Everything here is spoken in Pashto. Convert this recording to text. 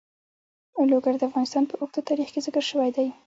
لوگر د افغانستان په اوږده تاریخ کې ذکر شوی دی.